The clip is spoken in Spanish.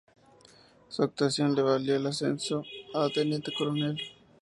Su actuación le valió el ascenso a teniente coronel.